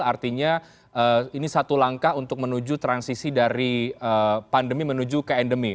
artinya ini satu langkah untuk menuju transisi dari pandemi menuju ke endemi